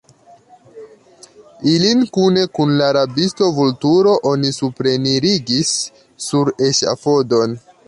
Ilin kune kun la rabisto Vulturo oni suprenirigis sur eŝafodon.